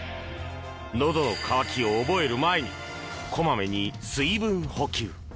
のどの渇きを覚える前にこまめに水分補給。